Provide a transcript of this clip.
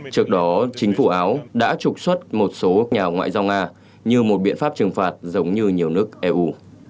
trước đó chính phủ áo đã trục xuất một số nhà ngoại giao nga như một biện pháp trừng phạt giống như nhiều nước eu